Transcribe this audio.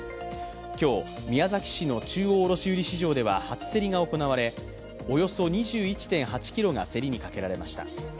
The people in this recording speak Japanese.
今日、宮崎市の中央卸売市場では初競りが行われおよそ２１．８ｋｇが競りにかけられました。